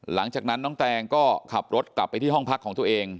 หลังจากนั้นน้องแตงก็ขับรถกลับไปที่ห้องพักของตัวเอง